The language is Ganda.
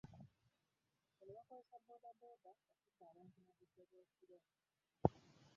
Bano bakozesa booda booda okubba abantu mu budde bw'ekiro